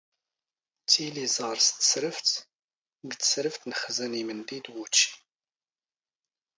ⵜⵉⵍⵉ ⵥⴰⵔⵙ ⵜⵙⵔⴼⵜ; ⴳ ⵜⵙⵔⴼⵜ ⵏⵅⵣⵏ ⵉⵎⵏⴷⵉ ⴷ ⵡⵓⵜⵛⵉ.